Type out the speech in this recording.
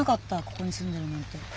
ここに住んでるなんて。